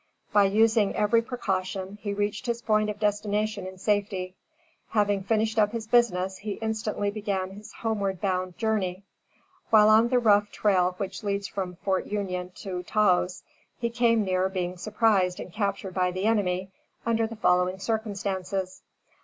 By using every precaution, he reached his point of destination in safety. Having finished up his business, he instantly began his homeward bound journey. While on the rough trail which leads from Fort Union to Taos, he came near being surprised and captured by the enemy, under the following circumstances.